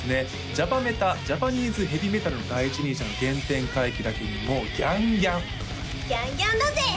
ジャパメタジャパニーズ・ヘヴィメタルの第一人者の原点回帰だけにもうギャンギャンギャンギャンだぜ！